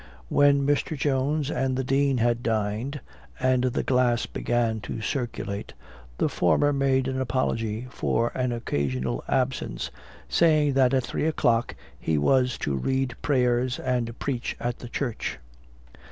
When Mr. Jones and the Dean had dined, and the glass began to circulate, the former made an apology for an occasional absence, saying that at three o'clock he was to read prayers and preach at the church.